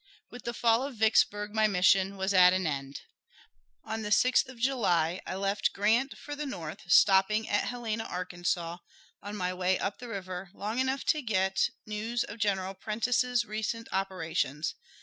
With the fall of Vicksburg my mission was at an end. On the 6th of July I left Grant for the North, stopping at Helena, Ark., on my way up the river long enough to get news of Gen. Prentiss's recent operations.